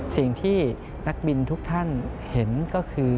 สิ่งที่นักบินทุกท่านเห็นก็คือ